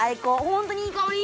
本当にいい香り！